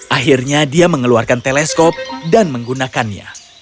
akhirnya dia mengeluarkan teleskop dan menggunakannya